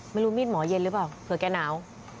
ไม่รู้มีดหมอเย็นหรือเปล่าเผื่อแกหนาว